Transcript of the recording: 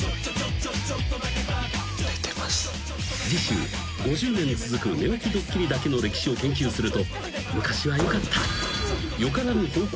［次週５０年続く寝起きドッキリだけの歴史を研究すると昔はよかった］